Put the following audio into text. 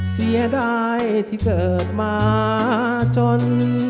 เสียดายที่เกิดมาจน